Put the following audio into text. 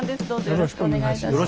よろしくお願いします。